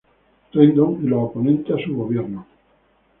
Rendón y los oponentes a su gobierno.